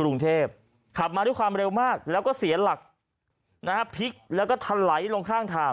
กรุงเทพขับมาด้วยความเร็วมากแล้วก็เสียหลักนะฮะพลิกแล้วก็ทะไหลลงข้างทาง